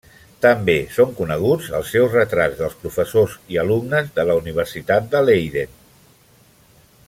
També són coneguts els seus retrats dels professors i alumnes de la Universitat de Leiden.